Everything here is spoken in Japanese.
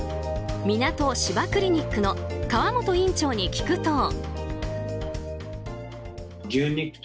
みなと芝クリニックの川本院長に聞くと。